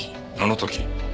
あの時？